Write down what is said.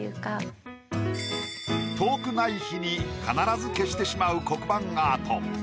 遠くない日に必ず消してしまう黒板アート。